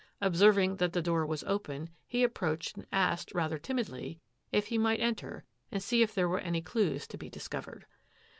Observing that the door was open, he approached and asked, rather timidly, if he might enter and see if there were any clues to be discovered.